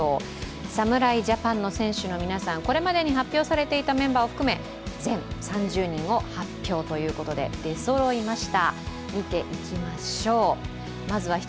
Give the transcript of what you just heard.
侍ジャパンの選手の皆さん、これまでに発表されていたメンバーを含め全３０人を発表ということで出そろいました。